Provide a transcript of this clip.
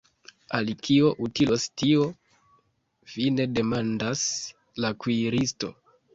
Al kio utilos tio?fine demandas la kuiristo.